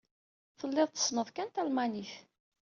Telliḍ tessneḍ kan talmanit.